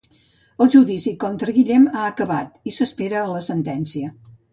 El judici contra Guillem ha acabat i s'espera la sentència.